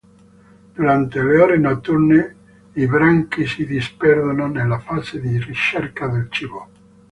Durante le ore notturne i branchi si disperdono nella fase di ricerca del cibo.